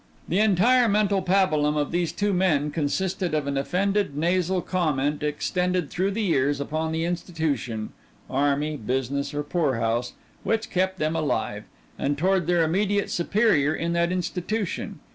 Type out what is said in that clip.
The entire mental pabulum of these two men consisted of an offended nasal comment extended through the years upon the institution army, business, or poorhouse which kept them alive, and toward their immediate superior in that institution.